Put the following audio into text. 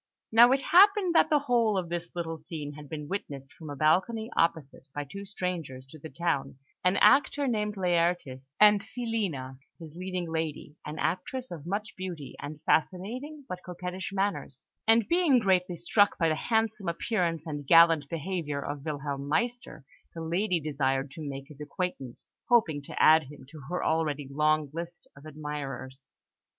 Now it happened that the whole of this little scene had been witnessed from a balcony opposite by two strangers to the town an actor named Laertes, and Filina, his leading lady, an actress of much beauty, and fascinating but coquettish manners; and being greatly struck by the handsome appearance and gallant behaviour of Wilhelm Meister, the lady desired to make his acquaintance, hoping to add him to her already long list of admirers.